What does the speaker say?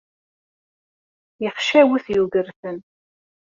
Yexcawet Yugurten.